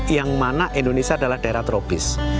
yang mana indonesia adalah daerah tropis